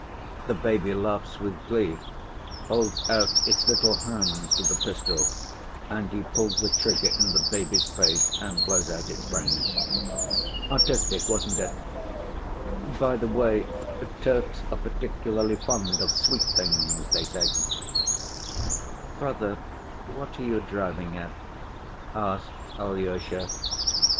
The baby laughs with glee, holds out its little hands to the pistol, and he pulls the trigger in the baby's face and blows out its brains. Artistic, wasn't it? By the way, Turks are particularly fond of sweet things, they say." "Brother, what are you driving at?" asked Alyosha.